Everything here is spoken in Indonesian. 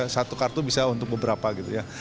satu kartu bisa untuk beberapa gitu ya